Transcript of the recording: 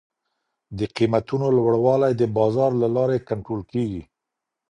د قیمتونو لوړوالی د بازار له لاري کنټرول کیږي.